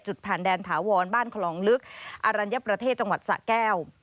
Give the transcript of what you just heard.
ผ่านแดนถาวรบ้านคลองลึกอรัญญประเทศจังหวัดสะแก้ว